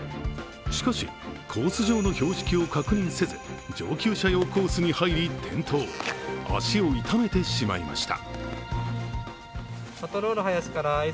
しかし、コース上の標識を確認せず、上級者用コースに入り込み転倒、足を痛めてしまいました。